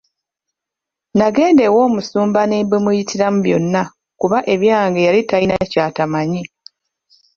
Nagenda ew'omusumba ne mbimuyitiramu byonna kuba ebyange yali talina ky'atamanyi.